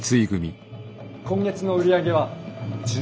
今月の売り上げは１０万。